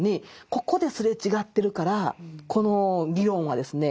ここですれ違ってるからこの議論はですね